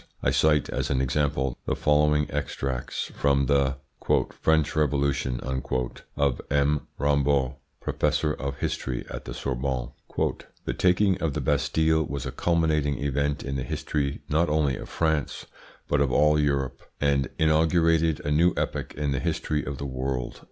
I cite as an example the following extracts from the "French Revolution" of M. Rambaud, professor of history at the Sorbonne: "The taking of the Bastille was a culminating event in the history not only of France, but of all Europe; and inaugurated a new epoch in the history of the world!"